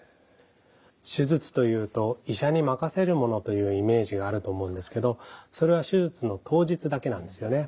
手術というと医者に任せるものというイメージがあると思うんですけどそれは手術の当日だけなんですよね。